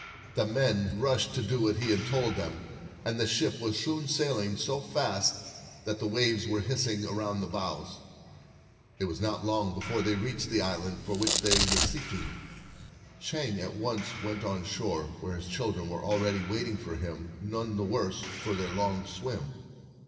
The men rushed to do as he had told them, 257 and the ship was soon sailing so fast that the waves were hissing around the bows. It was not long before they reached the island for which they were seeking. Chang at once went on shore, where his children were already waiting for him, none the worse for their long swim.